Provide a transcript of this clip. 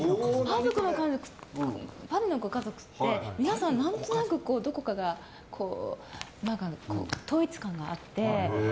パリのご家族って皆さん何となくどこかが統一感があって。